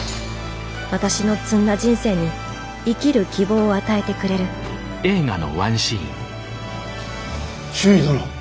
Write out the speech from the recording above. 私の詰んだ人生に生きる希望を与えてくれる中尉殿！